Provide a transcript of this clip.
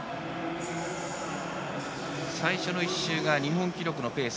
最初の１周が日本記録のペース。